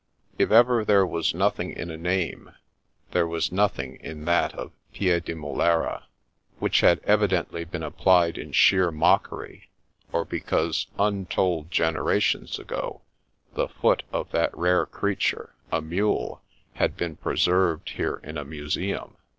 If ever there was noth ing in a name, there was nothing in that of Piedi mulera, which had evidently been applied in sheer mockery, or because, untold generations ago, the foot of that rare creature, a mule, had been preserved here in a museum.